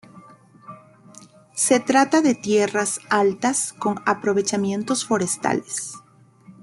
Se trata de tierras altas, con aprovechamientos forestales.